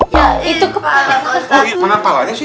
ya itu kepala ustadz